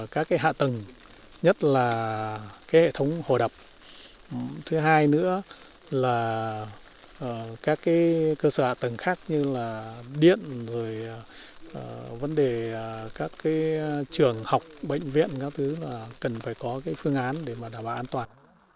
các trường học bệnh viện các thứ cần phải có phương án để đảm bảo an toàn